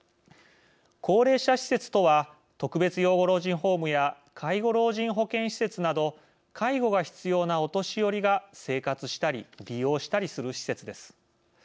高齢者施設とは特別養護老人ホームや介護老人保健施設など介護が必要なお年寄りが生活したり、利用したりする施設です。